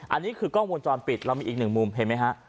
อันนี้คือกล้องวงจรปิดเรามีอีกหนึ่งมุมเห็นไหมฮะ